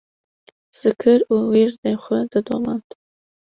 zikir û wîrdên xwe didomand